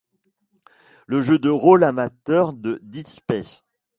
Le jeu de rôle amateur de Dead Space.